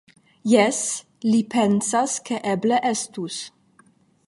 Jes, li pensas, ke eble estus.